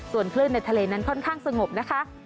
ส่วนคลื่นในทะเลนั้นค่อนข้างสงบนะคะ